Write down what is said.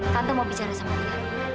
tante mau bicara sama dia